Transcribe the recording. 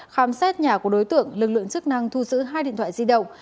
khám xét nhà của đối tượng lực lượng chức năng thu giữ hai điện thoại di động